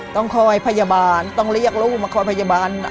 ต้องคอยพยาบาลต้องเรียกลูกมาคอยพยาบาล